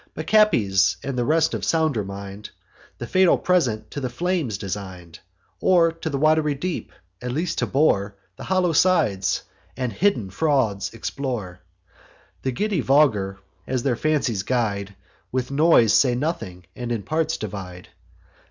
But Capys, and the rest of sounder mind, The fatal present to the flames designed, Or to the wat'ry deep; at least to bore The hollow sides, and hidden frauds explore. The giddy vulgar, as their fancies guide, With noise say nothing, and in parts divide.